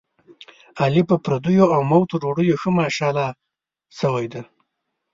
علي په پردیو اومفتو ډوډیو ښه ماشاءالله شوی دی.